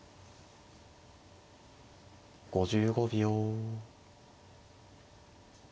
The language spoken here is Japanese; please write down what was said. ５５秒。